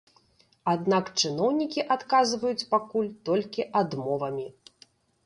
Аднак чыноўнікі адказваюць пакуль толькі адмовамі.